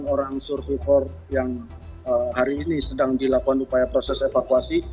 delapan orang survivor yang hari ini sedang dilakukan upaya proses evakuasi